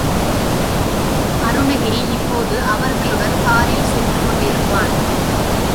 அருணகிரி இப்போது அவர்களுடன் காரில் சென்று கொண்டிருப்பான்.